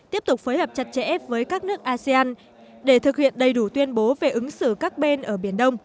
tiếp tục phối hợp chặt chẽ với các nước asean để thực hiện đầy đủ tuyên bố về ứng xử các bên ở biển đông